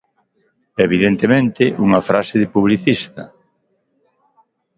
Evidentemente, unha frase de publicista.